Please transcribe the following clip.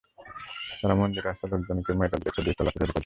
তাঁরা মন্দিরে আসা লোকজনকে মেটাল ডিটেক্টর দিয়ে তল্লাশি করে ভেতরে ঢোকাচ্ছেন।